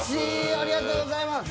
ありがとうございます。